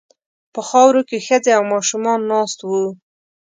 په خاورو کې ښځې او ماشومان ناست ول.